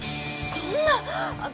そんな。